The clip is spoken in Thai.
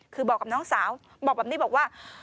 คือบอกกับน้องสาวบอกแบบนี้บอกว่า